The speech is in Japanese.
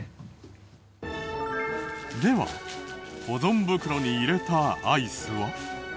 では保存袋に入れたアイスは？